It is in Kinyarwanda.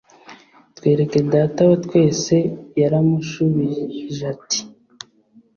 Twereke Data wa Twese yaramushubijati